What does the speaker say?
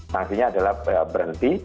sanksinya adalah berhenti